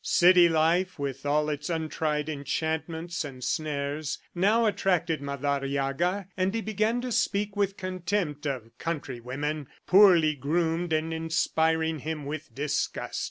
City life, with all its untried enchantments and snares, now attracted Madariaga, and he began to speak with contempt of country women, poorly groomed and inspiring him with disgust.